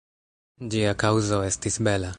Ĝia kaŭzo estis bela.